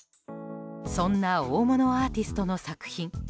そんな大物アーティストの作品。